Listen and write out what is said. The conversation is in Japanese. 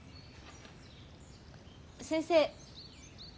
先生？